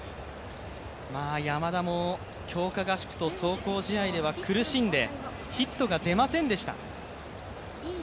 山田も強化合宿と壮行試合では苦しんでヒットが出ませんでした。